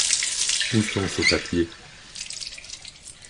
Où sont ces papiers?...